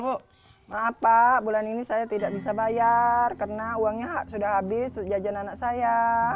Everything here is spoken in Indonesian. bu maaf pak bulan ini saya tidak bisa bayar karena uangnya sudah habis jajan anak saya